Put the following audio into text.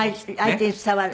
相手に伝わる。